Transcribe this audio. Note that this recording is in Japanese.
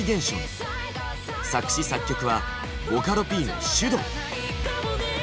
作詞・作曲はボカロＰのｓｙｕｄｏｕ。